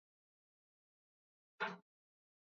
Ng'ato ang'ata mor gi alwora maler.